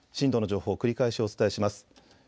震度の情報繰り返しお伝えします。